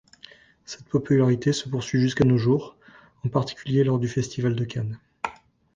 Cette popularité se poursuit jusqu'à nos jours, en particulier lors du festival de Cannes.